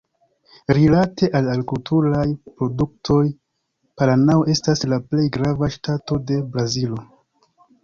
Rilate al agrikulturaj produktoj, Paranao estas la plej grava ŝtato de Brazilo.